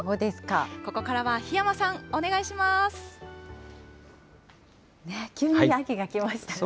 ここからは檜山さん、お願い急に秋が来ましたね。